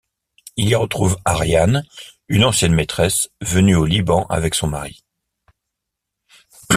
Il y retrouve Ariane, une ancienne maîtresse, venue au Liban avec son mari.